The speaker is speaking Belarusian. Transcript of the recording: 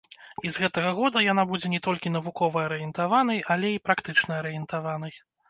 І з гэтага года яна будзе не толькі навукова арыентаванай, але і практычна арыентаванай.